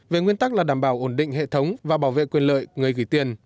về nguyên tắc là đảm bảo ổn định hệ thống và bảo vệ quyền lợi người gửi tiền